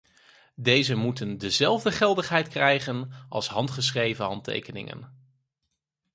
Deze moeten dezelfde geldigheid krijgen als handgeschreven handtekeningen.